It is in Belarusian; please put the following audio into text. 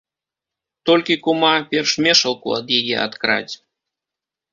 Толькі, кума, перш мешалку ад яе адкрадзь.